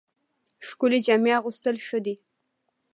ښکلې جامې اغوستل ښه دي